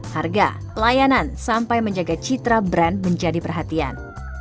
harga layanan sampai menjaga citra brand menjadi perhatian